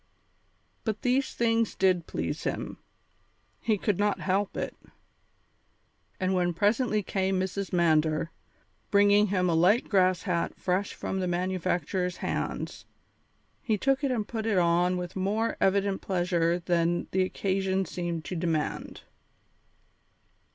But these things did please him; he could not help it. And when presently came Mrs. Mander, bringing him a light grass hat fresh from the manufacturer's hands, he took it and put it on with more evident pleasure than the occasion seemed to demand.